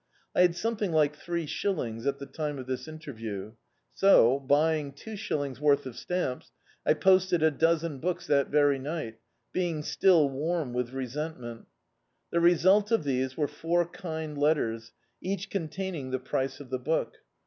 I had somediing like three shillings, at the time of this interview; so, buying two shilling' worth of stamps, I posted a dozen books that very ni^t, being still warm with resentmenL The result of these were four kind letters, each omtaining the price of the book.